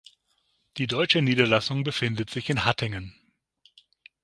Die deutsche Niederlassung befindet sich in Hattingen.